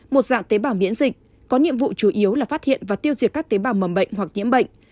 một dạng tế bào miễn dịch có nhiệm vụ chủ yếu là phát hiện và tiêu diệt các tế bào mầm bệnh hoặc nhiễm bệnh